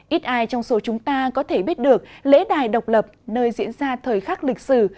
ít ai trong số chúng ta có thể biết được lễ đài độc lập nơi diễn ra thời khắc lịch sử